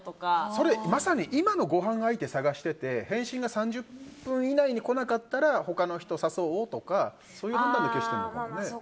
それ、まさに今のごはん相手を探してて返信が３０分以内に来なかったら他の人誘おうとかそういうので消してるんだろうね。